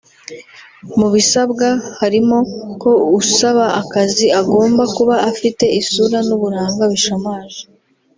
mu bisabwa harimo ko usaba akazi agomba kuba afite isura n’uburanga bishamaje